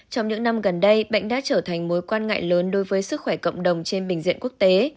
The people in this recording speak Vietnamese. trong những năm gần đây bệnh đã trở thành mối quan ngại lớn đối với sức khỏe cộng đồng trên bình diện quốc tế